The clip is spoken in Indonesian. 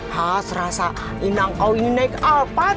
hah serasa inang kau ini naik alphard